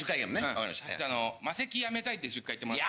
マセキ辞めたいって１０回言ってもらって。